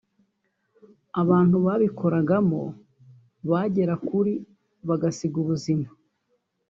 abantu babikoragamo bagera kuri bahasiga ubuzima